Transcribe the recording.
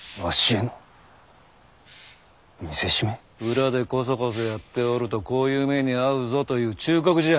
裏でこそこそやっておるとこういう目に遭うぞという忠告じゃ。